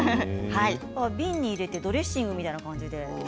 瓶に入れてドレッシングみたいな感じで。